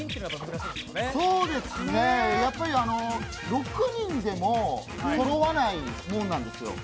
６人でもそろわないもんなんですよ。